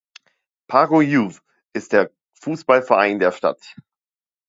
Pago Youth ist der Fußballverein der Stadt.